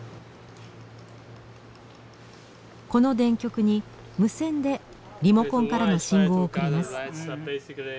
この電極に無線でリモコンからの信号を送ります。